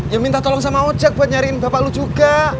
ya minta tolong sama ojek buat nyariin bapak lu juga